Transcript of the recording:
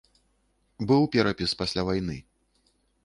Быў перапіс пасля вайны.